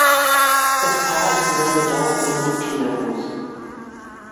Das Paar ist zu seinem Bedauern immer noch kinderlos.